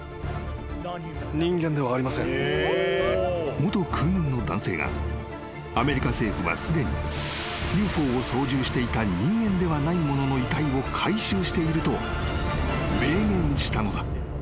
［元空軍の男性がアメリカ政府はすでにＵＦＯを操縦していた人間ではないものの遺体を回収していると明言したのだ］